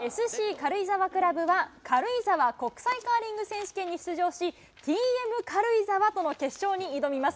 軽井沢クラブは、軽井沢国際カーリング選手権に出場し、ＴＭ軽井沢との決勝に挑みます。